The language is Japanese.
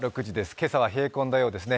今朝は冷え込んだようですね。